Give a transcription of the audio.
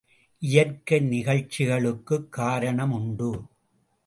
இயற்கை நிகழ்ச்சிகளுக்குக் காரணம் உண்டு.